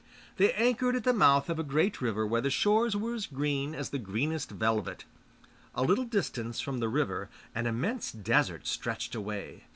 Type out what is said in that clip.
They anchored at the mouth of a great river where the shores were as green as the greenest velvet. A little distance from the river an immense desert stretched away.